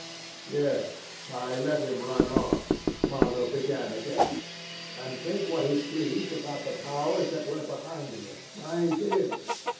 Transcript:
"... Yes I let him run on," Marlow began again, "and think what he pleased about the powers that were behind me. I did!